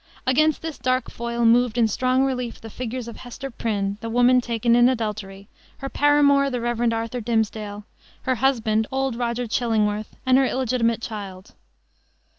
Against this dark foil moved in strong relief the figures of Hester Prynne, the woman taken in adultery, her paramour, the Rev. Arthur Dimmesdale, her husband, old Roger Chillingworth, and her illegitimate child.